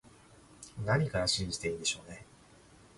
何から信じていいんでしょうね